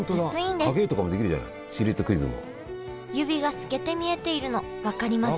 指が透けて見えているの分かりますよね